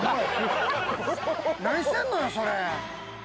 何してんのよそれ。